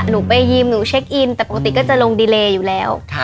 หนูไปยิมหนูเช็คอินแต่ปกติก็จะลงดีเลอยู่แล้ว